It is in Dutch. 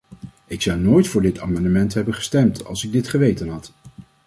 Ik zou nooit voor dit amendement hebben gestemd als ik dit geweten had.